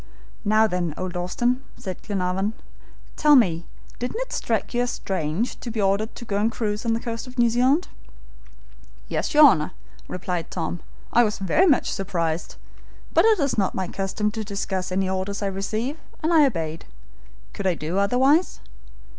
"Now, then, old Austin," said Glenarvan, "tell me, didn't it strike you as strange to be ordered to go and cruise on the coast of New Zealand?" "Yes, your Honor," replied Tom. "I was very much surprised, but it is not my custom to discuss any orders I receive, and I obeyed. Could I do otherwise?